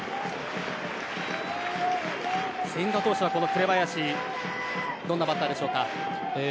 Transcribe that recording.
千賀投手、この紅林はどんなバッターでしょうか？